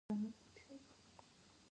آیا موږ کارګو طیارې لرو؟